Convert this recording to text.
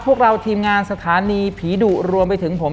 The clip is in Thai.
พวกเราทีมงานสถานีผีดุรวมไปถึงผม